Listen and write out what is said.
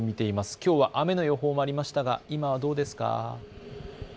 きょうは雨の予報もありましたが今はどうですか。